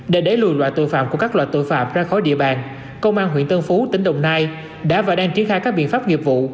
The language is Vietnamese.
để đẩy lùi loại tội phạm của các loại tội phạm ra khỏi địa bàn công an huyện tân phú tỉnh đồng nai đã và đang triển khai các biện pháp nghiệp vụ